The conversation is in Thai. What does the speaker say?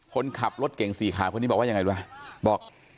คนขับรถเก่งสีขาวคนนี้บอกว่ายังไงรู้ไหมบอก